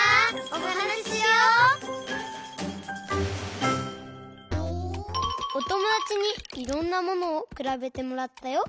おともだちにいろんなものをくらべてもらったよ！